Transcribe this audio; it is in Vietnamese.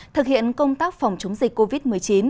thực hiện công tác phòng chống dịch covid một mươi chín